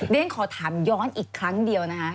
เรียนขอถามย้อนอีกครั้งเดียวนะคะ